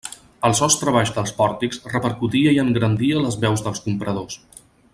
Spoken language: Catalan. El sostre baix dels pòrtics repercutia i engrandia les veus dels compradors.